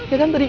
ya kan tadi